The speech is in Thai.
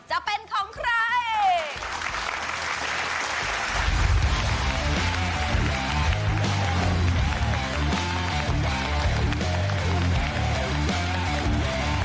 จะเป็นของใคร